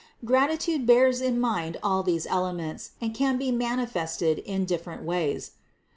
Gratitude bears in mind all these elements and can be manifested in different ways.